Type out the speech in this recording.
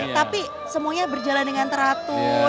tapi semuanya berjalan dengan teratur